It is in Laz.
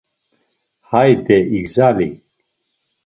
Hayde igzali!